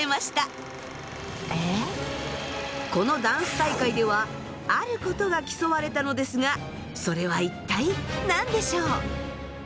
このダンス大会ではあることが競われたのですがそれは一体何でしょう？